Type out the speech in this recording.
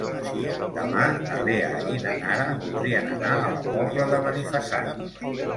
Demà na Lea i na Nara voldrien anar a la Pobla de Benifassà.